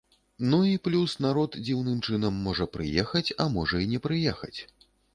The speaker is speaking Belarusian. Ну, і плюс народ дзіўным чынам можа прыехаць, а можа і не прыехаць.